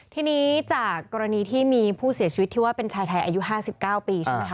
ทีนี้จากกรณีที่มีผู้เสียชีวิตที่ว่าเป็นชายไทยอายุ๕๙ปีใช่ไหมคะ